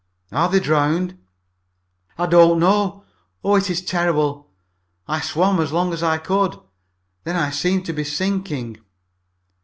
"Are they drowned?" "I don't know! Oh, it is terrible! I swam as long as I could, then I seemed to be sinking."